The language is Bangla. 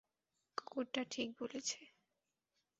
কুকুরটা ঠিক বলেছে।